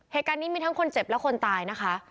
เหตุการณ์นี้มีทั้งคนเจ็บและคนตายนะคะ